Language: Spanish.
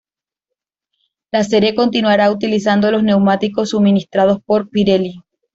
La serie continuará utilizando los neumáticos suministrados por Pirelli.